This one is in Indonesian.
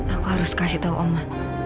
aku harus kasih tahu oma